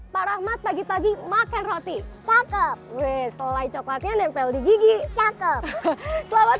pak rahmat pagi pagi makan roti cakep weh selai coklatnya nempel di gigi cakep selamat